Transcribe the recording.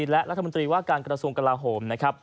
และรัฐมนตรีว่าการกระทรวงกลาโหมนะครับ